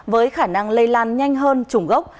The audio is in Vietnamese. với khả năng lây lan nhanh hơn chủng gốc